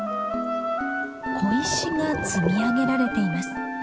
小石が積み上げられています。